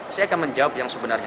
saya akan menjawab yang sebenarnya